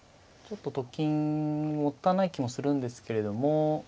ちょっとと金もったいない気もするんですけれども。